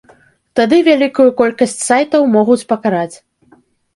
Тады вялікую колькасць сайтаў могуць пакараць.